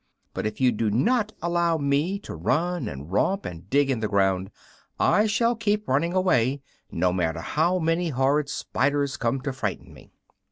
But if you do not allow me to run and romp and dig in the ground, I shall keep running away, no matter how many horrid spiders come to frighten me!"